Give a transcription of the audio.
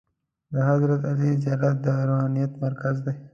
د حضرت علي زیارت د روحانیت مرکز دی.